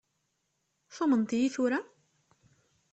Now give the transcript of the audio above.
Tumneḍ-iyi tura?